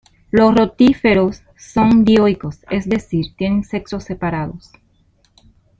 Los rotíferos son dioicos, es decir, tienen sexos separados.